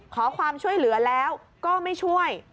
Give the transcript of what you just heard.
ขอความช่วยเหลือแล้วก็ไม่ช่วย